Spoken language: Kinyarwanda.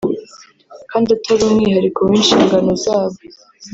kandi atari umwihariko w’inshingano zabo